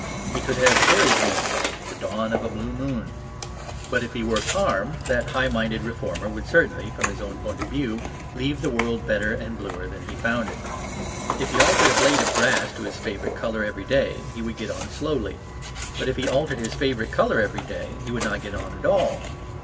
He could have fairy dreams; the dawn of a blue moon. But if he worked hard, that high minded reformer would certainly (from his own point of view) leave the world better and bluer than he found it. If he altered a blade of grass to his favourite colour every day, he would get on slowly. But if he altered his favourite colour every day, he would not get on at all.